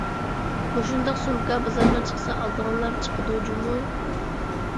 مۇشۇنداق سومكا بازارغا چىقسا ئالىدىغانلار چىقىدۇ جۇمۇ.